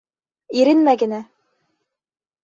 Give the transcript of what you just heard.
Иренмә генә!